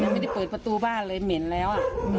ไม่ได้เปิดประตูบ้านเลยเหม็นแล้ว